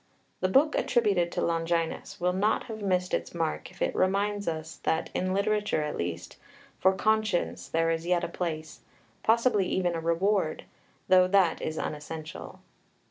The book attributed to Longinus will not have missed its mark if it reminds us that, in literature at least, for conscience there is yet a place, possibly even a reward, though that is unessential.